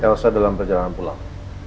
elsa dalam perjalanan pulang